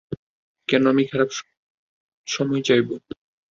কেন আমি খারাপ সময় চাইব?